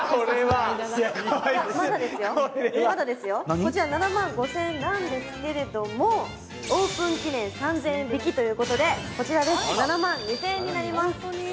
まだですよ、こちら７万５０００円なんですけれども、オープン記念３０００円引きということで７万２０００円となります。